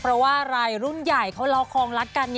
เพราะว่ารายรุ่นใหญ่เขาล้อคองรักกัน